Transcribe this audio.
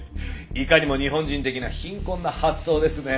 いかにも日本人的な貧困な発想ですね。